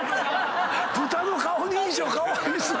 豚の顔認証かわいそう。